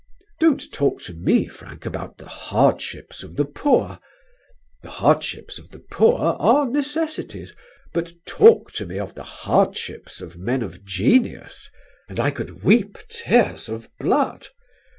"Don't talk to me, Frank, about the hardships of the poor. The hardships of the poor are necessities, but talk to me of the hardships of men of genius, and I could weep tears of blood.